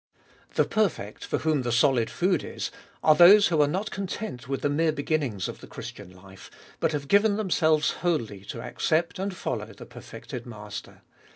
The perfect for whom the solid food is, are those who are not content with the mere beginnings of the Christian life, but have given themselves wholly to accept and follow the per fected Master.